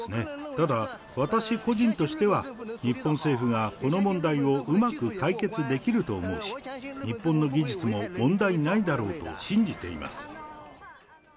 ただ、私個人としては、日本政府がこの問題をうまく解決できると思うし、日本の技術も問題ないだろうと信じています。